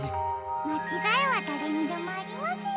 まちがいはだれにでもありますよ。